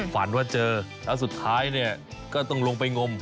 ฝันว่าเจอแล้วสุดท้ายเนี่ยก็ต้องลงไปงม